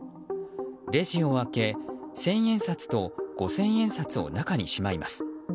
レジを開け、千円札と五千円札を中にしまいます。